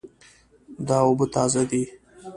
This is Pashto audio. دا اوبه تازه دي